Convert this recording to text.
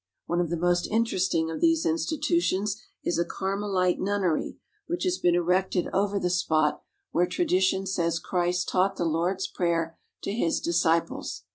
One of the most interesting of these institutions is a Carmelite nunnery, which has been erected over the spot where tradition says Christ taught the Lord's Prayer to His disciples.